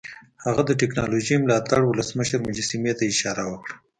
هغه د ټیکنالوژۍ ملاتړي ولسمشر مجسمې ته اشاره وکړه